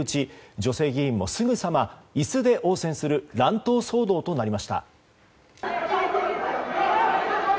女性議員もすぐさま椅子で応戦する乱闘騒動となりました。